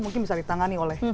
mungkin bisa ditangani oleh